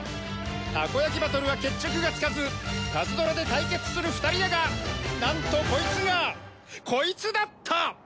たこやきバトルは決着がつかずパズドラで対決する２人だがなんとコイツがコイツだった！